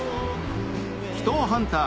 秘湯ハンター